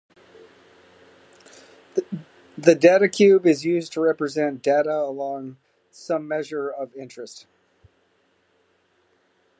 The data cube is used to represent data along some measure of interest.